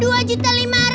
hah dua juta lima ratus